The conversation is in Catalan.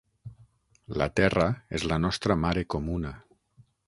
La terra és la nostra mare comuna.